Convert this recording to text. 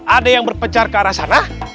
ada yang berpecar ke arah sana